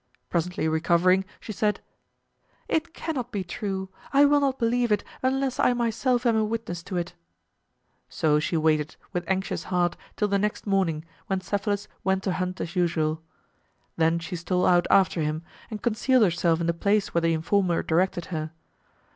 Presently recovering, she said, "It cannot be true; I will not believe it unless I myself am a witness to it." So she waited, with anxious heart, till the next morning, when Cephalus went to hunt as usual. Then she stole out after him, and concealed herself in the place where the informer directed her.